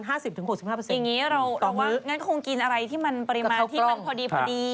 อย่างนี้เราว่างั้นคงกินอะไรที่มันปริมาณที่มันพอดี